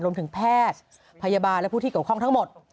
แพทย์พยาบาลและผู้ที่เกี่ยวข้องทั้งหมด